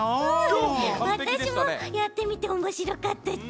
うんわたしもやってみておもしろかったち。